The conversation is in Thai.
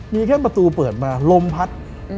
มีแค่ประตูเปิดมาลมพัด